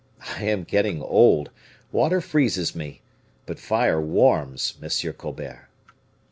I am getting old; water freezes me but fire warms, Monsieur Colbert."